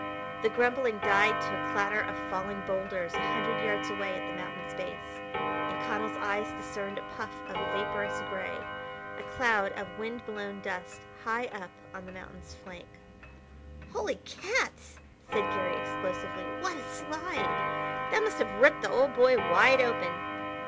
The grumbling died to a clatter of falling boulders a hundred yards away at the mountain's base, and Connell's eyes discerned a puff of vaporous gray, a cloud of wind blown dust, high up on the mountain's flank. "Holy cats!" said Garry explosively, "what a slide! That must have ripped the old boy wide open."